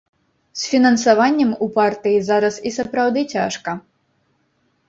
З фінансаваннем у партыі зараз і сапраўды цяжка.